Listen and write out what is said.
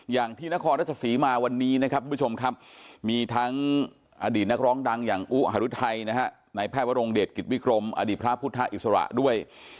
อย่างที่นครรัชศรีมาวันนี้นะครับทุกผู้ชมครับมีทั้งอดีตนักร้องดังอย่างอุหารุทัยนะฮะในแพทย์วรงเดชกิจวิกรมอดีตพระพุทธอิสระด้วย